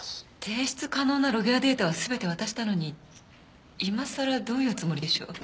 提出可能なログやデータは全て渡したのに今さらどういうつもりでしょう？